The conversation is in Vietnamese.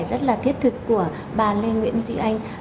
rất là thiết thực của bà lê nguyễn duy anh